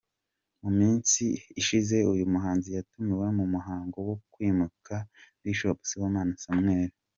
Mu minsi ishize uyu muhanzi yatumiwe mu muhango wo kwimika Bishop Sibomana Samuel.